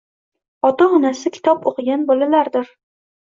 Ota-onasi kitob o‘qigan bolalardir.